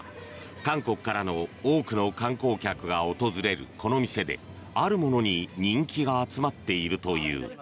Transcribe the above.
韓国からの多くの観光客が訪れるこの店であるものに人気が集まっているという。